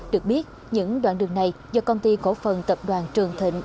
được biết những đoạn đường này do công ty cổ phần tập đoàn trường thịnh